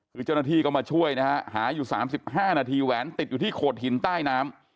คือเจ้าหน้าที่ก็มาช่วยนะฮะหาอยู่๓๕นาทีแหวนติดอยู่ที่โขดหินใต้น้ำ